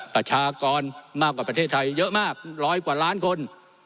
ประชากรมากกว่าประเทศไทยเยอะมากร้อยกว่าล้านคน